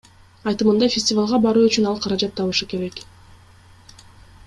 Айтымында, фестивалга баруу үчүн ал каражат табышы керек.